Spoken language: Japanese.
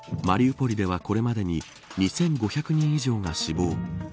マリウポリではこれまでに２５００人以上が死亡。